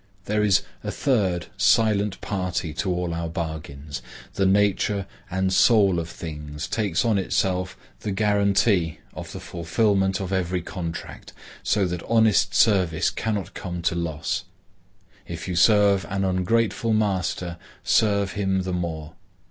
There is a third silent party to all our bargains. The nature and soul of things takes on itself the guaranty of the fulfilment of every contract, so that honest service cannot come to loss. If you serve an ungrateful master, serve him the more.